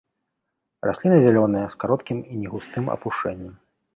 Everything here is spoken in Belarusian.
Расліна зялёная, з кароткім і негустым апушэннем.